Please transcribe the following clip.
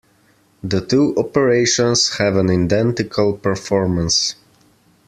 The two operations have an identical performance.